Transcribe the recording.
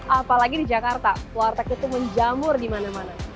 apalagi di jakarta warteg itu menjamur di mana mana